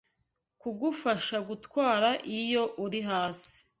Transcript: kugufasha kugutwara iyo uri hasi